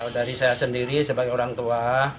dari saya sendiri sebagai orang tua